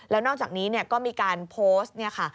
แล้วนอกจากนี้ก็มีการโพสต์